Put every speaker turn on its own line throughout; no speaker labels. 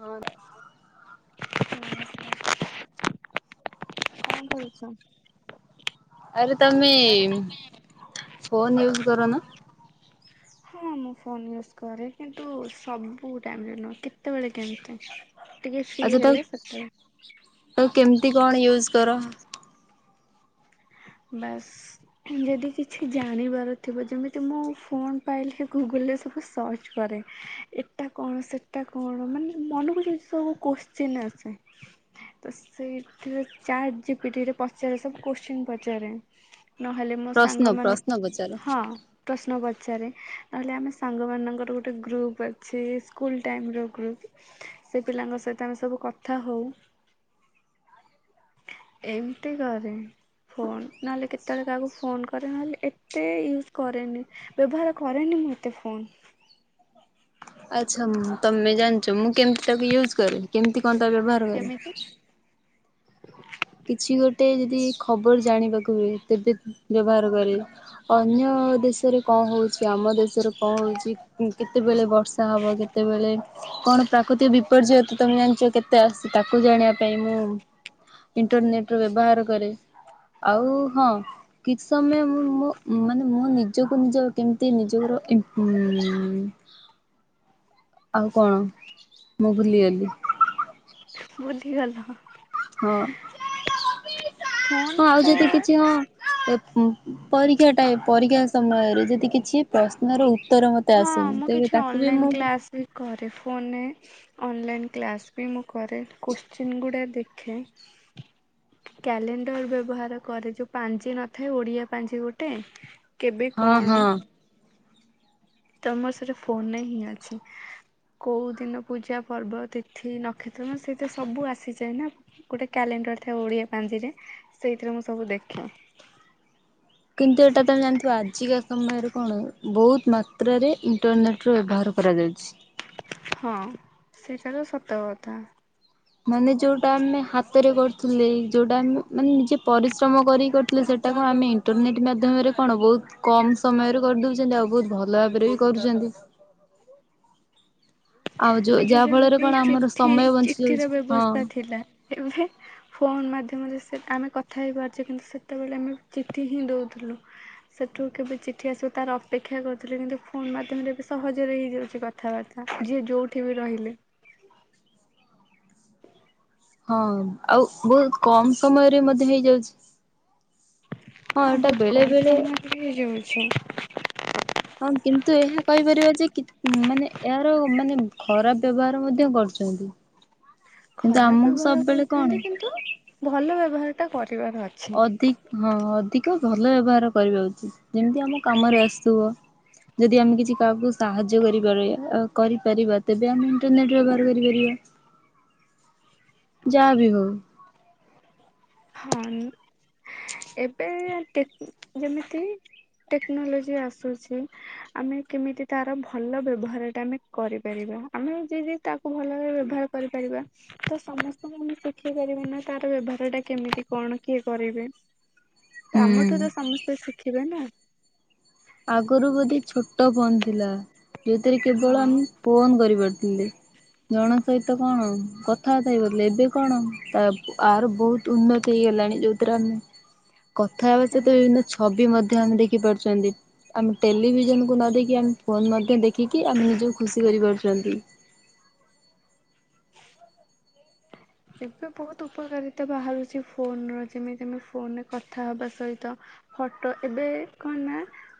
ହଁ।
ହ [unintelligible] କଣ କରୁଛ?
ଆରେ ତମେ ଫୋନ ୟୁଜ କର ନା?
[unintelligible] ହଁ, ମୁଁ ଫୋନ ୟୁଜ୍ କରେ କିନ୍ତୁ ସବୁ ଟାଇମରେ ନୁହେଁ କେତେବେଳେ କେମତି।
ଆଚ୍ଛା, ତା ତାକୁ କେମିତି କଣ ୟୁଜ୍ କର?
ବାସ୍। ଯଦି କିଛି ଜାଣିବାର ଥିବ ଯେମିତି ମୁଁ ଫୋନ୍ ପାଇଲି ଗୁଗୁଲରେ ସବୁ ସର୍ଚ୍ଚ କରେ। ଏଟା କଣ ସେଟା କଣ ମାନେ ମନକୁ ଯମିତି ସବୁ କୋଶ୍ଚିନ୍ ଆସେ। ତ ସେଇଥିରେ ଚାଟ୍ ଜପିଟ୍ ରେ ପଚାରେ ସବୁ କୋଶ୍ଚିନ୍ ପଚାରେ। ନହେଲେ ମୋ
ପ୍ରଶ୍ନ
ସାଙ୍ଗ
ପ୍ରଶ୍ନ ପଚାର।
ମାନଙ୍କୁ। ହଁ ପ୍ରଶ୍ନ ପଚାରେ ନହେଲେ ଆମେ ସାଙ୍ଗମାନଙ୍କର ଗୋଟେ ଗ୍ରୁପ୍ ଅଛି ସ୍କୁଲ୍ ଟାଇମ୍ ର ଗ୍ରୁପ୍। ସେ ପିଲାଙ୍କ ସହିତ ଆମେ ସବୁ କଥା ହେଉ। ଏମିତି କରେ। ଫୋନ୍ ନହେଲେ କେତେବେଳେ କାହାକୁ ଫୋନ୍ କରେ ନହେଲେ ଏତେ ୟୁଜ୍ କରେନି। ବ୍ୟବହାର କରନି ମୁଁ ଏତେ ଫୋନ।
ଆଚ୍ଛା, ତମେ ଜାଣିଛ ମୁଁ କେମିତି ତାକୁ ୟୁଜ୍ କରେ କେମିତି କଣ ତାକୁ ବ୍ୟବହାର କରେ।
କେମିତି
କିଛି ଗୋଟେ ଯଦି ଖବର ଜାଣିବାକୁ ହୁଏ ତବେ ବ୍ୟବହାର କରେ। ଅନ୍ୟ ଦେଶରେ କଣ ହଉଛି ଆମ ଦେଶରେ କଣ ହଉଛି କେତେବେଳେ ବର୍ ବର୍ଷା ହେବ କେତେବେଳେ? କଣ ପ୍ରାକୃତିକ ବିପର୍ଯ୍ୟୟ ତ ତମେ ଜାଣିଛ କେତେ ଆସୁ ତାକୁ ଜାଣିବା ପାଇଁ ମୁଁ ଇଣ୍ଟରନେଟ ର ବ୍ୟବହାର କରେ ଆଉ ହଁ କିଛି ସମୟ ମୁ ମାନେ ମୁଁ ନିଜକୁ ନିଜ କେମିତି ନିଜର ଆଉ କଣ ମୁଁ ଭୁଲିଗଲି?
ବୁଝିଗଲା
ହଁ
ଫୋନ୍
ହଁ ଆଉ ଯଦି
ଟା
କିଛି ହଁ ପରୀକ୍ଷା ଟାଇ ପରୀକ୍ଷା ସମୟରେ ଯଦି କିଛି ପ୍ରଶ୍ନର ଉତ୍ତର ମତ
ହଁ ମୁଁ କିଛି ଅନଲାଇନ୍ କ୍ଲାସ୍ ବି କରେ ଫୋନରେ ଅନଲାଇନ୍ କ୍ଲାସ୍ ବି ମୁଁ କରେ କୋଶ୍ଚିନ୍ ଗୁଡ଼ା ଦେଖେ କ୍ୟାଲେଣ୍ଡର ବ୍ୟବହାର କରେ ଯୋଉ ପାଞଜି ନଥାଏ ଓଡିଆ ପାଞ୍ଜି ଗୋଟେ କେବେ
ହଁ
କଣ?
ହଁ
ତମର ସେଠ ଫୋନ ହିଁ ଅଛି କୋଉ ଦିନ ପୂଜା ପର୍ବ ତିଥି ନ କକ୍ଷତ୍ର ସେଇତ ସବୁ ଆସିଯାଏ ନା ଗୋଟେ କ୍ୟାଲେଣ୍ଡର ଥାଏ ଓଡ଼ିଆ ପାଞ୍ଜିରେ ସେଇଥିରେ ମୁଁ ସବୁ ଦେଖେ
କିନ୍ତୁ ଏଇଟା ତ ଆମେ ଜାଣିଥିବା ଆଜିକା ସମୟରେ କଣ ବହୁତ ମାତ୍ରାରେ ଇଣ୍ଟରନେଟ ର ବ୍ୟବହାର ପ୍ରଦତି
ହଁ ସେଇଟା ତ ସତ କଥା
ମାନେ ଯୋଉଟା ଆମେ ହାତରେ କରୁଥିଲେ ଯୋଉଟା ଆମେ ମାନେ ନିଜେ ପରିଶ୍ରମ କରିକି କରୁଥିଲେ ସେଟାକୁ ଆମେ ଇଣ୍ଟରନେଟ୍ ମାଧ୍ୟମରେ କଣ ବହୁତ କମ ସମୟରେ କରିଦେଉଛନ୍ତି ଆଉ ବହୁତ ଭଲ ଭାବରେ ବି କରୁଛନ୍ତି ଆଉ ଯୋଉ
ଆଗେ
ଯାହା ଫଳରେ
ଯେମିତି
କଣ ଆମର
ଚିଠି
ସମୟ ବଞ୍ଚି
ଚିଠିର
ଯାଉଛି ହଁ
ବ୍ୟବସ୍ଥା ଥିଲା ଏବେ ଫୋନ ମାଧ୍ୟମରେ ଆମେ କଥା ହେଇପାରୁଛେ କିନ୍ତୁ ସେତେବେଳେ ଆମେ ଚିଠି ହିଁ ଦଉଥିଲୁ। ସେଠୁ କେବେ ଚିଠି ଆସିବ ତାର ଅପେକ୍ଷା କରୁଥିଲେ କିନ୍ତୁ ଫୋନ୍ ମାଧ୍ୟମରେ ଏବେ ସହଜରେ ହେଇଯାଉଛି କଥାବାର୍ତ୍ତା। ଯିଏ ଯୋଉଠି ବି ରହିଲେ
ହଁ ଆଉ ବହୁତ କମ ସମୟରେ ମଧ୍ୟ ହେଇଯାଉଛି। ହଁ ଏଟା
ନବତ
ବେଳେ
କମ
ବେଳେ
ସମୟ ହେ ଜଳଛି
ହଁ କିନ୍ତୁ ଏହା କହିପାରିବା ଯେ ମାନେ ଏହାର ମାନେ ଖରାପ ବ୍ୟବହାର ମଧ୍ୟ କରୁ [unintelligible]
ଖରାପ ବ୍ୟବହାର କରୁଛନ୍ତି
କଣ
କିନ୍ତୁ ଭଲ ବ୍ୟବହାର ଟା କରିବାର ଅଛି
ଅଧିକ ହଁ ଅଧିକ ଭଲ ବ୍ୟବହାର କରିବା ଉଚିତ୍ ଯେମିତି ଆମ କାମରେ ଆସୁଥିବ ଯଦି ଆମେ କିଛି କାହାକୁ ସାହାଯ୍ୟ କରିପାରିବା କରିପାରିବା ତେବେ ଆମେ ଇଣ୍ଟରନେଟ ବ୍ୟବହାର କରିପାରିବା।
[inaudible]
ଯାହା ବି ହଉ
ହଁ ଏବେ ଯେମିତି ଟେକ୍ନୋଲୋଜି ଆସୁଛି ଆମେ କେମିତି ତାର ଭଲ ବ୍ୟବହାରଟା ଆମେ କରିପାରିବା ଆମେ ଯିଏ ଯି ତାକୁ ଭଲ ଭରେ ବ୍ୟବହାର କରିପାରିବା। ତ ସମସ୍ତେ ଆମେ ଶିଖି ପାରିବ ନା ତାର ବ୍ୟବହାର ଟା କେମିତି କଣ କିଏ କରିବେ
ହୁଁ।
ଆମଠୁ ତ ସମସ୍ତେ ଶିଖିବେ ନା
ଆଗରୁ ବୋଧେ ଛୋଟ ଫୋନ୍ ଥିଲା ଯେଉଁଥିରେ କେବଳ ଆମ
ହଁ।
ଫୋନ କରିପାରୁଥିଲେ ଜଣ ସହିତ କଣ? କଥା ବାର୍ତ୍ତା ହେଇ ଗଲେ ଏବେ କଣ ତା ଆର ବହୁତ ଉନ୍ନତି ହେଇଗଲାଣି। ଯେଉଁଥିରେ ଆମେ କଥା ହେବା
ଏବ୍
ସହିତ ବିଭିନ୍ନ ଛବି ମଧ୍ୟ ଆମେ ଦେଖିପାରୁଛନ୍ତି। ଆମେ ଟେଲିଭିଜନକୁ ନ ଦେଇକି ଆମେ ଫୋନ୍ ମଧ୍ୟ ଦେଖିକି ଆମେ ନିଜକୁ ଖୁସି କରିପାରୁଛନ୍ତି।
[inaudible] ଏବେ ବହୁତ ଉପକାରିତା ବାହାରୁଛି ଫୋନ୍ର ଯେମିତି ଆମେ ଫୋନେ କଥା ହେବା ସହିତ ଫଟୋ ଏବେ କଣ ନା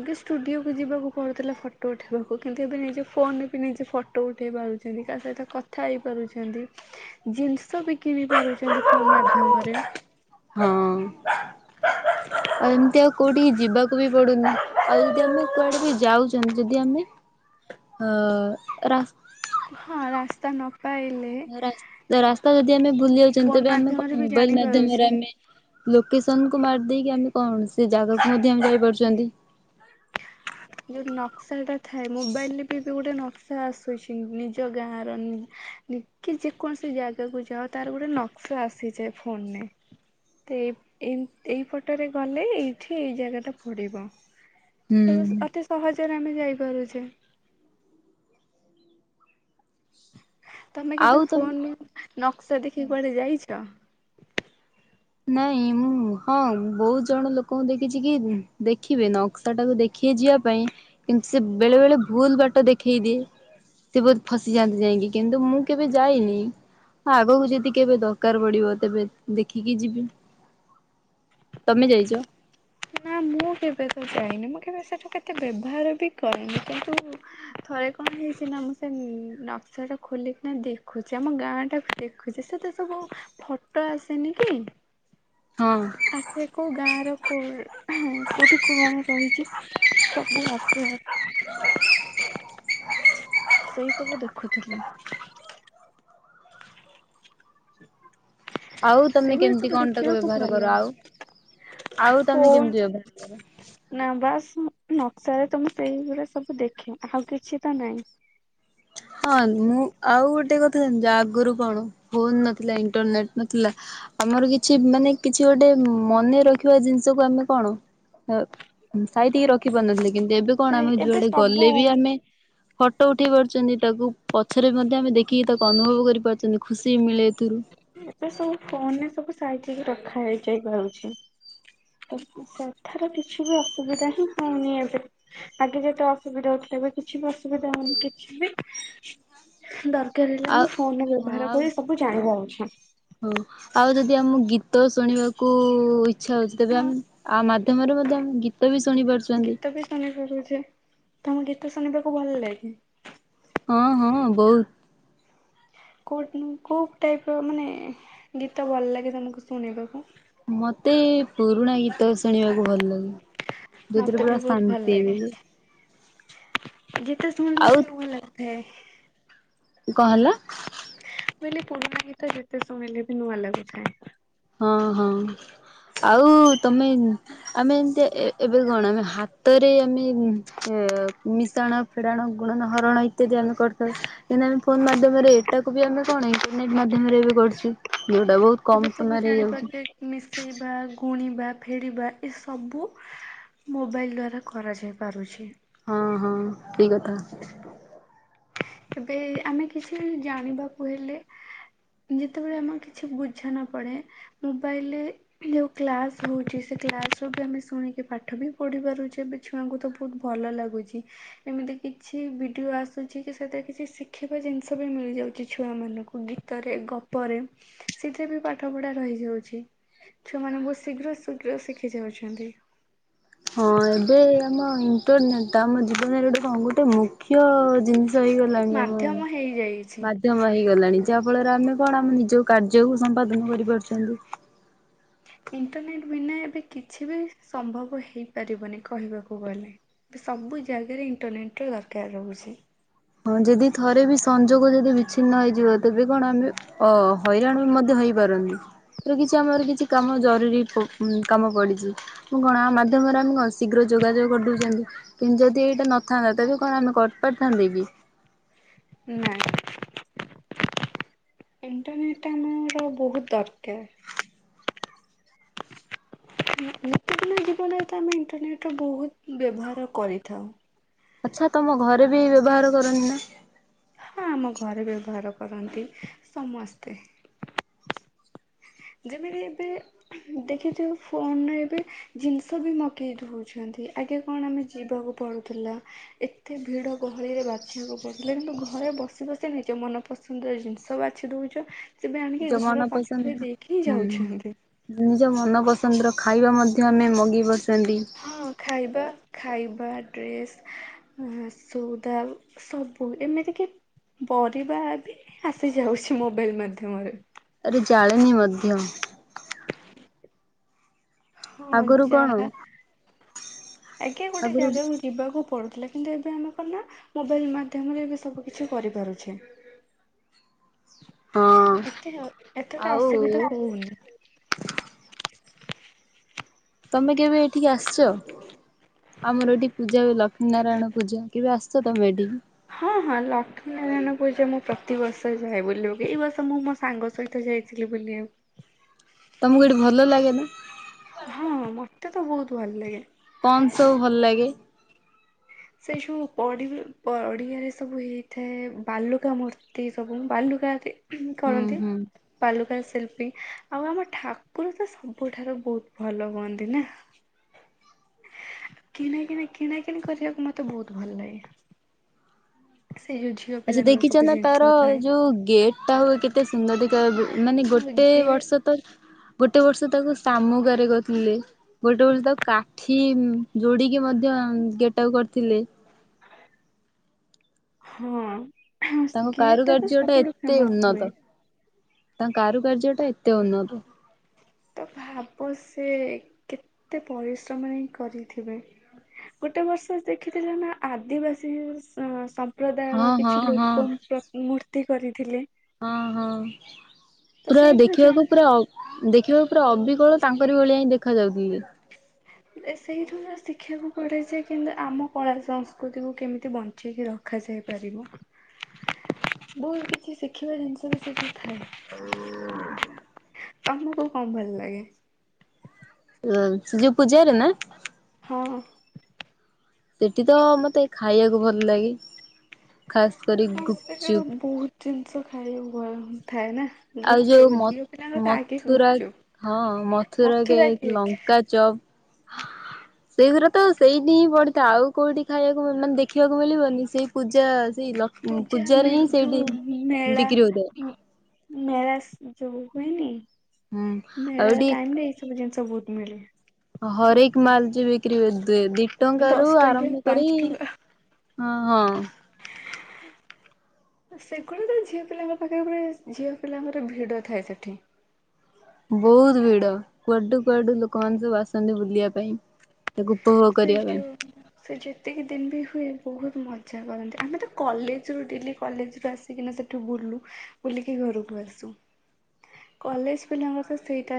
ଆଗେ ଷ୍ଟୁଡିଓକୁୁ ଯିବାକୁ ପଡୁଥିଲା ଫଟୋ ଉଠେଇବାକୁ, କିନ୍ତୁ ଏବେ ନିଜ ଫୋନରେ ବି ନିଜେ ଫଟୋ ଉଠେଇ ପାରୁଛନ୍ତି କା ସହିତ କଥା ହେଇପାରୁଛନ୍ତି। ଜିନ୍ସ ସ ବିକି ବି ପାରୁଛନ୍ତି ଫୋନ୍ ମାଧ୍ୟମରେ।
ହଁ।
ହ
ଆଉ ଏମିତି ଆଉ କଉଁଠିକି ଯିବାକୁ ବି ପଡ଼ୁନି। ଆଉ ଯଦି ଆମେ କୁଆଡ଼େ ବି ଯାଉଛନ୍ତି, ଯଦି ଆମେ ହଁ ରାସ୍
ହଁ ରାସ୍ତା ନ ପାଇଲେ
ରାସ୍-ରାସ୍ତା ଯଦି ଆମେ ଭୁଲି ଯାଉଛନ୍ତି,
ଫୋନ
ତେବେ ଆମେ କଣ
ମାଧ୍ୟମରେ ବି
ମୋବାଇଲ ମାଧ୍ୟମରେ
ଜାଣିପାରୁଛି।
ଆମେ ଲୋକେସନ୍ କୁ ମାରିଦେଇକି ଆମେ କଣ ସେ ଜାଗାକୁ ମଧ୍ୟ ଆମେ ଯାଇପାରୁଛନ୍ତି।
ହ ଯୋଉ ନକ୍ସା ଟା ଥାଏ। ମୋବାଇଲରେ ବି ଏବେ ଗୋଟେ ନକ୍ସା ଆସୁଛି ନିଜ ଗାଁର ନି କି ଯେ କୌଣସି ଜାଗାକୁ ଯାଅ ତାର ଗୋଟେ ନକ୍ସା ଆସିଯାଏ ଫୋନରେ। ତେ ଏଇ-ଏଇପଟରେ ଗଲେ ଏଇଠି ଏଇ ଜାଗାଟା ପଡ଼ିବ।
ହୁଁ
ତ ବେଶ୍ ଅତି ସହଜରେ ଆମେ ଯାଇପାରୁଛେ। ତମେ
ଆଉ
କେବେ
ତମେ
ଫୋନ ନକ୍ସା ଦେଖିକି କୁଆଡେ ଯାଇଛ?
ନାଇଁ ମୁଁ ହଁ ବହୁତ ଜଣ ଲୋକଙ୍କୁ ଦେଖିଛି କି ଦେଖିବେ ନକ୍ସା ଟାକୁ ଦେଖ୍ ଖି ଯିବା ପାଇଁ କିନ୍ତୁ ସେ ବେଳେ ବେଳେ ଭୁଲ ବାଟ ଦେଖେଇ ଦିଏ। ସେ ବହୁତ ଫସିଯାଆନ୍ତି ଯାଇକି। କିନ୍ତୁ ମୁଁ କେବେ ଯାଇନି। ହ ଆଗକୁ ଯଦି କେବେ ଦରକାର ପଡିବ, ତେବେ ଦେଖି ଖୀକି ଯିବି। ତମେ ଯାଇଛ?
ନା ମୁଁ କେବେ ତ ଯାଇନି। ମୁଁ କେବେ ସେଠୁ କେତେ ବ୍ୟବହାର ବି କରେନି, କିନ୍ତୁ ଥରେ କଣ ହେଇଛି ନା, ମୁଁ ସେ ନକ୍ସା ଟା ଖୋଲିକିନା ଦେଖୁଛି। ଆମ ଗାଁ ଟା ଦେଖୁଛି, ସେତେ ସବୁ ଫଟୋ ଆସେନି କି।
ହଁ।
ଆସେ କଉଁ ଗାଁ ର କୋ ହଁ କଉଠି କୁଅ ରହିଛି, ସବୁ ଆସେ ସେଇ ସବୁ ଦେଖୁଥିଲି। ସେ [unintelligible]
ଆଉ ତମେ କେମତି କଣ ତାକୁ ବ୍ୟବହାର
ଭଲ
କର?
ଲାଗେ
ଆଉ ଆଉ ତମେ
ଫୋନ୍
କେମତି ବ୍ୟବହାର କର?
ନା ବାସ୍ ନକ୍ସାରେ ତମେ ସେଇଗୁରା ସବୁ ଦେଖ, ଆଉ କିଛି ତ ନାହିଁ।
ହଁ ମୁଁ ଆଉ ଗୋଟେ କଥା ଜାଣିଛ? ଆଗରୁ କଣ, ଫୋନ ନଥିଲା ଇଣ୍ଟରନେଟ ନଥିଲା। ଆମର କିଛି ମାନେ କିଛି ଗୋଟେ ମନେ ରଖିବା ଜିନିଷକୁ ଆମେ କଣ ଅ ସାଇତିକି ରଖି ପାରୁନଥିଲେ। କିନ୍ତୁ ଏବେ କଣ
ନାହିଁ
ଆମେ
ଏବେ
ଯୁଆଡେ ଗଲେ
ସବୁ
ବି ଆମେ ଫଟୋ ଉଠେଇ ପାରୁଛନ୍ତି ତାକୁ ପଛରେ ମଧ୍ୟ ଆମେ ଦେଖିକି ତାକୁ ଅନୁଭବ କରି ପାରୁଛନ୍ତି। ଖୁସି ମିଳେ ଏଥିରୁ।
ଏବେ ସବୁ ଫୋନ ରେ ସବୁ ସାଇତିକି ରଖା ହେଇ ଯାଇପାରୁଛି। ସେଠାରେ କିଛି ବି ଅସୁବିଧା ହିଁ ହଉନି ଏବେ। ଆଗେ ଯେତେ ଅସୁବିଧା ହଉଥିଲା ଏବେ କିଛି ବି ଅସ୍ ସୁବିଧା ହଉନି କିଛି। ଦରକାର ହେଲେ
ଆଉ
ଆମେ ଫୋନ୍ ରେ ବ୍ୟବହାର କରେ ସବୁ ବୁ ଜାଣିପାରୁଛି।
ହ ଆଉ ଯଦି ଆମକୁ ଗୀତ ଶୁଣିବାକୁ ଇଛା ହଉଛି। ତେବେ
ହଁ
ଆମେ ଆ ମାଧ୍ୟମରେ ମଧ୍ୟ ଆମେ ଗୀତ ବି ଶୁଣି ପାରୁଛନ୍ତି।
ମାନେ କହୁଛେ, ତମକୁ ଗୀତ ଶୁଣିବାକୁ ଭଲ ଲାଗେ?
ହଁ ହଁ ବହୁତ।
କଉ ଟିମ କଉ ଟାଇପର ମାନେ ଗୀତ ଭଲ ଲାଗେ ତମକୁ ଶୁଣିବାକୁ?
ମତେ ପୁରୁଣା ଗୀତ ଶୁଣିବାକୁ ଭଲ ଲାଗେ। ଯଉଥିରେ
ମତେ
ପୁରା ଶାନ୍ତି ମିଳେ।
ଯେତେ ଶୁଣିଲେ
ଆଉ
ତ ନୁଆଁ ଲାଗିଥାଏ।
କଣ ହେଲା?
ମୁଁ କହିଲି ପୁରୁଣା ଗୀତ ଯେତେ ଶୁଣିଲେ ବି ନୂଆ ଲାଗୁଥାଏ।
ହଁ ହଁ ଆଉ ତମେ। ଆମେ ଏମିତି ଏ-ଏବେ କଣ ଆମେ ହାତରେ ଆମେ ଏ ମିଶାଣ। ଫେଡାଣ, ଗୁଣନ, ହରଣ ଇତ୍ୟାଦି ଆମେ କରିଥାଉ। ଏଇନା ଆମେ ଫୋନ ମାଧ୍ୟମରେ ଏଟାକୁ ବି ଆମେ କଣ ଇଣ୍ଟରନେଟ ମାଧ୍ୟମରେ ଏବେ କରୁଛୁ ଯୋଉଟା ବହୁତ
ଏବେ
କମ।
ସବୁ
ସମୟରେ ହେଇଯାଉଛି।
ଜାଣିପାରୁଛେ ମିଶେଇବା, ଗୁଣିବା, ଫେଡ଼ିବା ଏସବୁ। ମୋବାଇଲ୍ ଦ୍ୱାରା କରାଯାଇପାରୁଛି।
ହଁ ହଁ ଠିକ୍ କଥା।
ଏବେ ଆମେ କିଛି ଜାଣିବାକୁ ହେଲେ। ଯେତେବେଳେ ଆମକୁ କିଛି ବୁଝା ନ ପଡେ ମୋବାଇଲରେ। ଯୋଉ କ୍ଲାସ ହଉଛି ସେ କ୍ଲାସର ବି ଆମେ ଶୁଣିକି ପାଠ ବି ପଢି ପାରୁଛେ ବି। ଛୁଆଙ୍କୁ ତ ବହୁତ ଭଲ ଲାଗୁଛି ଏମିତି କିଛି ଭିଡିଓ ଆସ ସୁୁଛି କି ସେଟା କିଛି ଶିଖିବା ଜିନିଷ ବି ମିଳିଯାଉଛି ଛୁଆମାନଙ୍କୁ ଗୀତରେ, ଗପରେ। ସେଥିରେ ବି ପାଠ ପଢା ରହିଯାଉଛି ଛୁଆମାନେ ବହୁତ ଶୀଘ୍ର ଶୀଘ୍ର ଶିଖି ଯାଉଛନ୍ତି।
ହଁ ଏବେ ଆମ ଇଣ୍ଟରନେଟଟା ଆମ ଜୀବନରେ ଗୋଟେ କଣ ଗୋଟେ ମୁଖ୍ୟ ଜିନିଷ ହେଇ ଗଲାଣି ଆମ
ମାଧ୍ୟମ ହେଇଯାଇଛି।
ମା ମାଧ୍ୟମ ହେଇଗଲାଣି ଯାହାଫଳରେ ଆମେ କଣ ଆମେ ନିଜ କାର୍ଯ୍ୟକୁ ସମ୍ପାଦନ କରିପାରୁଛନ୍ତି।
ଇଣ୍ଟରନେଟ ବିନା ଏବେ କିଛି ବି ସମ୍ଭବ ହେଇପାରିବନି କହିବାକୁ ଗଲେ। ଏବେ ସବୁ ଜାଗାରେ ଇଣ୍ଟରନେଟର ଦରକାର ରହୁଛି।
ହଁ ଯଦି ଥରେ ବି ସଂଯୋଗ ଯଦି ବିଚ୍ଛିନ୍ନ ହେଇଯିବ ତେବେ କଣ ଆମେ ଅ ହଇରାଣ ମଧ୍ୟ ହେଇପାରୁନି ଧର କିଛି ଆମର କିଛି କାମ ଜରୁରୀ ପ ଉଁ କାମ ପଡ଼ିଛି। ଉଁ କଣ ଆ ମାଧ୍ୟମରେ ଆମେ କଣ ଶୀଘ୍ର ଯୋଗାଯୋଗ କରିଦଉଛନ୍ତି। କିନ୍ତୁ ଯଦି ଏଇଟା ନଥାନ୍ତା ତେବେ କଣ ଆମେ କରିପାରିଥାନ୍ତେ କି?
ନା ଇଣ୍ଟରନେଟ ଆମର ବହୁତ ଦରକାର। ନୀ-ନୀତି ଦିନିଆ ଜୀବନରେ ତ ଆମେ ଇଣ୍ଟରନେଟ ର ବହୁତ ବ୍ୟବହାର କରିଥାଉ।
ଆଚ୍ଛା ତମ ଘରେ ବି ବ୍ୟବହାର କରନ୍ତି ନା।
ହଁ ଆମ ଘରେ ବ୍ୟବହାର କରନ୍ତି ସମସ୍ତେ। ଯେମିତି ଏବେ। ଦେଖିଥିବୁ ଫୋନରେ ଏବେ ଜିନିଷ ବି ମଗେଇ ଦଉଛନ୍ତି ଆଗେ କଣ ଆମେ ଯିବାକୁ ପଡ଼ୁ ଥିଲା ଏତେ ଭିଡ଼ ଗହଳିରେ ବାଛିବାକୁ ପଡ଼ୁଥିଲା କିନ୍ତୁ ଘରେ ବସି ବସି ନିଜେ ମନ ପସନ୍ଦର ଜିନିଷ ବାଛି ଦଉଚ ତେବେ ଆଣିକି
ନିଜ ମନ
ଘର
ପସନ୍ଦ
ପାଖରେ ଦେଇ
ହୁଁ ନିଜ ମନ ପସନ୍ଦର ଖାଇବା ମଧ୍ୟ ଆମେ ମଗେଇ ପାରୁଛନ୍ତି।
ହଁ ଖାଇବା ଖାଇବା, ଡ୍ରେସ୍ ଏ ହେଁ ସଉଦା। ସବୁ ଏମିତି କି ପରିବା ବି ଆସିଯାଉଛି ମୋବାଇଲ ମାଧ୍ୟମରେ।
ଆରେ ଜାଳେଣି ମଧ୍ୟ।
ହଁ
ଆଗରୁ କଣ
ଯାହା। ଆଜ୍ଞା ଗୋଟେ
ଆଗରୁ
ଜାଗାକୁ ଯିବାକୁ ପଡୁଥିଲା କିନ୍ତୁ ଏବେ ଆମକୁ କଣ ନା ମୋବାଇଲ ମାଧ୍ୟମରେ ଏବେ ସବୁ କିିଛି କରିପାରୁଛେ।
ହଁ
ଏତେ ଏତେ ତ
ଆଉ
ଅସୁବିଧା ହଉନି।
ତମେ କେବେ ଏଠିକି ଆସିଛ? ଆମର ଏଠି ପୂଜା ହୁଏ। ଲକ୍ଷ୍ମୀ ନାରାୟଣ ପୂଜା, କେବେ ଆସଛ ତମେ ଏଠିକି?
ହଁ ହଁ ଲକ୍ଷ୍ମୀ ନାରାୟଣ ପୂଜା ମୁଁ ପ୍ରତିବର୍ଷ ଯାଏ ବୁଲିବାକୁ। ଏଇ ବର୍ଷ ମୁଁ ସାଙ୍ଗ ସହିତ ଯାଇଥିଲି ବୁଲି।
ତମକୁ ଏଠି ଭଲ ଲାଗେନି?
ହଁ, ମତେ ତ ବହୁତ ଭଲ ଲାଗେ।
କଣ ସବୁ ଭଲ ଲାଗେ?
ସେଇ ଯଉ ପ ପଡିଆରେ ସବୁ ହେଇଥାଏ। ବାଲୁକା ମୂର୍ତ୍ତି ତି ସବୁ ବାଲୁକା ଏଠି
ହୁଁ
କରନ୍ତି।
ହୁଁ
ବାଲୁକା ଶିଳ୍ପୀ ଆଉ ଆମ ଠାକୁର ତ ସବୁଠାରୁ ବହୁତ ଭଲ ହୁଅନ୍ତି ନା। କିଣାକିଣି କିଣାକିଣି କରିବାକୁ ମତେ ବହୁତ ଭଲ ଲାଗେ। ସେଇ ହଉଛି
ଆଛା ଦେଖିଛ ନା ତାର ଯୋଉ ଗେଟ୍ ଟ ହୁଏ କେତେ ସୁନ୍ଦର ଦେଖା, ମାନେ
ଆଉ
ଗୋଟେ
ଗେଟ୍
ବର୍ଷ ତ ଗୋଟେ ବର୍ଷ ତାକୁ ଶାମୁକାରେ କରିଥିଲେ। ଗୋଟେ ବର୍ଷ ତାକୁ କାଠି ଯୋଡିକି ମଧ୍ୟ ଗେଟ ଟାକୁ କରିଥିଲେ।
ହଁ,
ତାଙ୍କ
ଗେଟ ଟା ବି
କାରୁକାର୍ଯ୍ୟ
ସବୁଠୁ ଫେମସ୍ ଥିଲା।
ତା କାରୁକାର୍ଯ୍ୟ ଟା ଏତେ ଉନ୍ନତ।
ତ ଭାବ ସେ କେତେ ପରିଶ୍ରମରେ କରିଥିବେ। ଗୋଟେ ବର୍ଷ ଦେଖିଥିଲେ ନା ଆଦିବାସୀ ସ ସମ୍ପ୍ରଦାୟର
ହଁ ହଁ
କିଛି
ହଁ
ଲୋକ ପ ମୂର୍ତ୍ତି କରିଥିଲେ।
ହଁ, ହଁ
ତ
ପୁରା
ସେଇଠୁ ଜଣ
ଦେଖିବାକୁ ପୁରା ଦେଖିବାକୁ ପୁରା ଅବିକଳ ତାଙ୍କର ଭଳିଆ ହିଁ ଦେଖା ଯାଉଥିଲେ।
ସେଇଠୁ ହିଁ ଶିଖିବାକୁ ପଡେ ଯେ କି ଆମ କଳା ସଂସ୍କୃତିକୁୁ କେମିତି ବଞ୍ଚେଇକି ରଖ ଖାସିପାରିବ, ବହୁତ କିଛି ଶିଖିବା ଜିନିଷ ବି ସେଠି ଥାଏ।
ଆଉ
ତମକୁ କଣ ଭଲ ଲାଗେ?
ଯଉ ପୂଜାରେରେ ନା
ହଁ।
ସେଠି ତ ମତେ ଖାଇବାକୁ ଭଲ ଲାଗେ ଖାସ୍ କରି
ସେଠାରୁ
ଗୁପଚୁପ୍।
ବହୁତ ଜିନିଷ ଖାଇବା ଭଲ ଥାଏ ନା
ଆଉ ଯୋଉ
ଗୁପଚୁପ୍
ମ
ଝିଅ ପିଲାଙ୍କର ତ ଆଗେ
ମଥୁରା
ଗୁପଚୁପ୍।
ହଁ ମଥୁର କେକ, ଲଙ୍କା ଚପ୍ ସେଇଗୁରାତ ତ ସେଇଠି ହିଁ ପଡିଥାଏ। ଆଉ କୋଉଠି ଖାଇବାକୁ ମାନେ ଦେଖିବାକୁ ମିଳିବ ସେଇ ପୂଜା ସେଇ ଲକ୍ଷମ
ପୂଜା ମେ
ପୂଜାରେ ହିଁ ସେଇଠି
ଯୋଉ ମେଳା
ବିକ୍ରି ହଉଥାଏ।
ମେଳା ଯୋଉ ହୁଏନି,
ହୁଁ ଆଉ
ମେଳା
ଏଠି
ଟାଇମରେ ଏଇ ସବୁ ଜିନିଷ ବହୁତ ମିଳେ।
ହରେକ ମାଲ ଯଉ ବିକ୍ରି ହୁଏ। ଦି ଦି ଟଙ୍କା ରୁ
ଦଶ ଟଙ୍କିଆ
ଆରମ୍ଭ କରି
ପାଞ୍ଚ ଟଙ୍କା
ହଁ, ହଁ।
ସେଗଳିରେ ଝିଅ ପିଲାଙ୍କ ପାଖରେ। ଝିଅପିଲାଙ୍କର ଭିଡ ଥାଏ ସେଠି।
ବହୁତ ଭିଡ କୁଆଡୁ କୁଆଡୁ ଲୋକମାନେ ସବୁ ଆସନ୍ତି ବୁଲିବା ପାଇଁ। ଗୁପ
[unintelligible] ସେ ଯେତିକି ଦିନ ବି ହୁଏ ବହୁତ ମଜା କରନ୍ତି। ଆମେ ତ କଲେଜ ରୁ ଡେଲି କଲେଜ ରୁ ଆସି କାହିଁକିନା ସେଠୁ ବୁଲୁ ବୁଲିକି ଘରକୁ ଆସୁ। କଲେଜ ପିଲାଙ୍କର ସେଇଟା